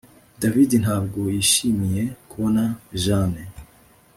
David ntabwo yishimiye kubona Jane